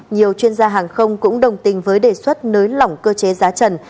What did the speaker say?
nhiều chuyên gia hàng không cũng đồng tình với đề xuất nới lỏng cơ chế giá trần